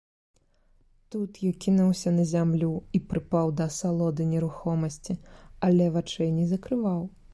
Тут ён кінуўся на зямлю і прыпаў да асалоды нерухомасці, але вачэй не закрываў.